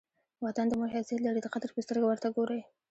وطن د مور حیثیت لري؛ د قدر په سترګه ور ته ګورئ!